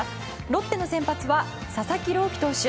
ロッテの先発は佐々木朗希投手。